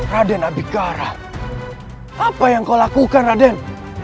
raden adhikara apa yang kau lakukan raden